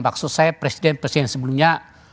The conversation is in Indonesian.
maksud saya presiden presiden sebelumnya